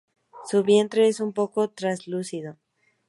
Su vientre es un poco traslúcido.